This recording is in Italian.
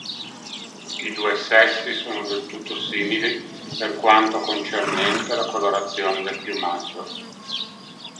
I due sessi sono del tutto simili per quanto concernente la colorazione del piumaggio.